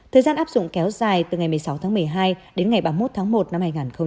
thời gian áp dụng kéo dài từ ngày một mươi sáu tháng một mươi hai đến ngày ba mươi một tháng một năm hai nghìn hai mươi